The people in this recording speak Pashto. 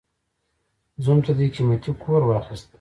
زوم ته دې قيمتي کور واخيست.